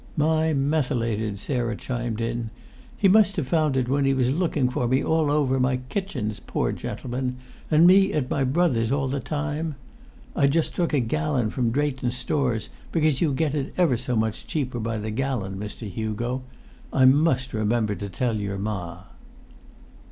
"My methylated!" Sarah chimed in. "He must have found it when he was looking for me all over my kitchens, pore gentleman, and me at my brother's all the time! I'd just took a gallon from Draytons' Stores, because you get it ever so much cheaper by the gallon, Mr. Hugo. I must remember to tell your ma."